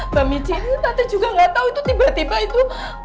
mbak mici ini tata juga gak tahu itu tiba tiba itu